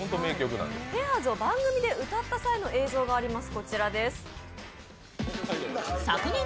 「ペアーズ」を番組で歌った際の映像があります。